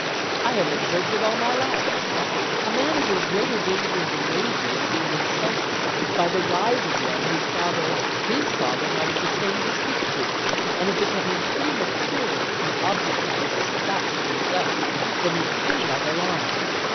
I have observed it all my life. A man is in greater danger in the navy of being insulted by the rise of one whose father his father might have disdained to speak to, and of becoming prematurely an object of disgust himself, than in any other line.